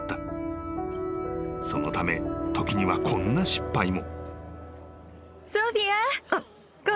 ［そのため時にはこんな失敗も］